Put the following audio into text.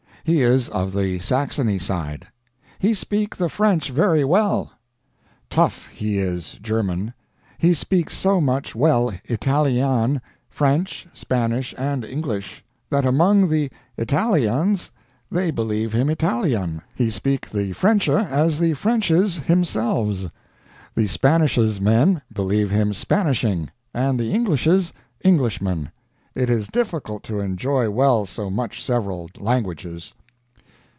He is of the Saxony side. He speak the french very well. Tough he is German, he speak so much well italyan, french, spanish and english, that among the Italyans, they believe him Italyan, he speak the frenche as the Frenches himselves. The Spanishesmen believe him Spanishing, and the Englishes, Englishman. It is difficult to enjoy well so much several languages.